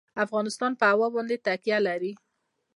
افغانستان په هوا باندې تکیه لري.